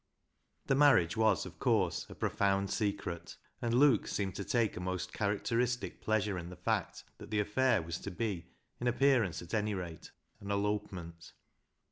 The marriage was, of course, a profound secret, and Luke seemed to take a most characteristic pleasure in the fact that the affair was to be, in appearance at any rate, an elopement.